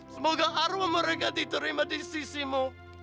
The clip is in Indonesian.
semoga arwah mereka diterima di sisimu